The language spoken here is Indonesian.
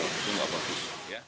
itu enggak bagus